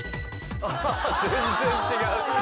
あ全然違う。